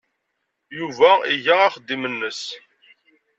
Yuba iga axeddim-nnes.